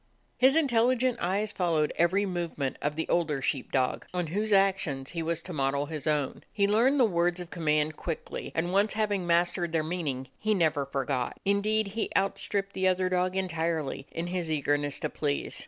His intelligent eyes followed every move ment of the older sheep dog, on whose actions he was to model his own ; he learned the words of command quickly, and once having mas tered their meaning he never forgot. Indeed 62 A DOG OF THE ETTRICK HILLS he outstripped the other dog entirely in his eagerness to please.